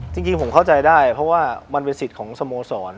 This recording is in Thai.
จริงผมเข้าใจได้เพราะว่ามันเป็นสิทธิ์ของสโมสร